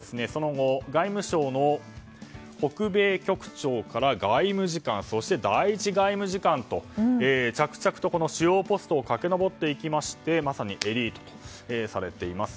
そんなチェ・ソンヒ氏はその後、外務省の北米局長から外務次官、そして第１外務次官と着々と主要ポストを駆け上っていってまさにエリートとされています。